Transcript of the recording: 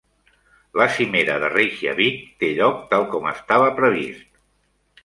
La cimera de Reykjavík té lloc tal com estava previst.